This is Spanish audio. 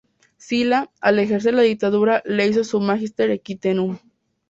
Sila, al ejercer la dictadura, le hizo su "magister equitum".